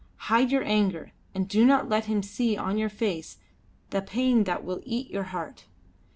Hide your anger, and do not let him see on your face the pain that will eat your heart.